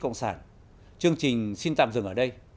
cộng sản chương trình xin tạm dừng ở đây